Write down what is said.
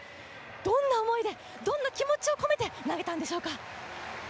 どんな思いで、どんな気持ちを込めて投げたんでしょうか。